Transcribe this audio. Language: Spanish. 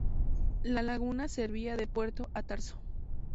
La laguna servía de puerto a Tarso.